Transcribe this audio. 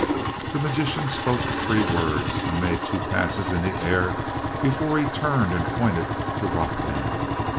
The magician spoke three words and made two passes in the air before he turned and pointed to Rothdam.